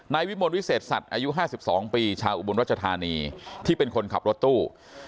วิมลวิเศษสัตว์อายุ๕๒ปีชาวอุบลรัชธานีที่เป็นคนขับรถตู้